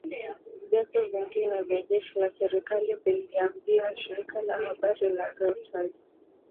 Vyanzo vingine vya jeshi la serikali vililiambia shirika la habari la Reuters